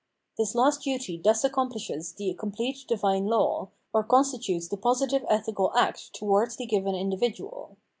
This last duty thus accompHshes the complete divine law, or constitutes the positive ethical act towards the given individual.